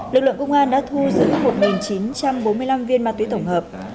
lực lượng công an đã thu giữ một chín trăm bốn mươi năm viên ma túy tổng hợp